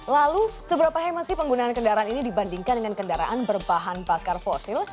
lalu seberapa hemat sih penggunaan kendaraan ini dibandingkan dengan kendaraan berbahan bakar fosil